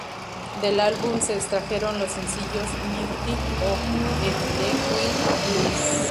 Del álbum se extrajeron los sencillos "Mighty O" e "Idlewild Blues".